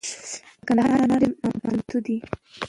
دکندهار انار دیر نامتو دي